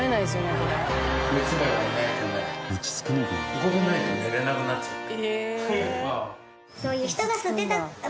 ここでないと寝られなくなっちゃった。